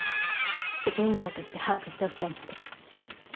責任者として把握しておきたいので。